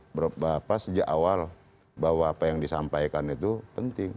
beberapa sejak awal bahwa apa yang disampaikan itu penting